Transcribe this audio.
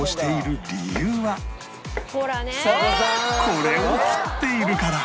これを切っているから